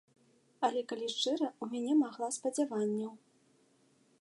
Але, калі шчыра, у мяне магла спадзяванняў.